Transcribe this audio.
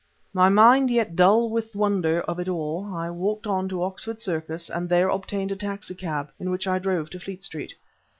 My mind yet dull with wonder of it all, I walked on to Oxford Circus and there obtained a taxicab, in which I drove to Fleet Street.